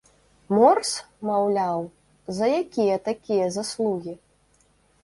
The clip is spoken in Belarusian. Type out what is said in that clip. Морс, маўляў, за якія такія заслугі?